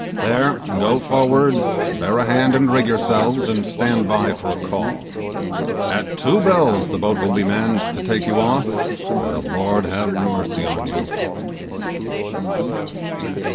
There, go forward: bear a hand and rig yourselves, and stand by for a call. At two bells the boat will be manned to take you off, and the Lord have mercy on you!